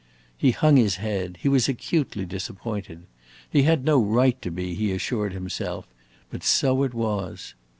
He hung his head; he was acutely disappointed. He had no right to be, he assured himself; but so it was.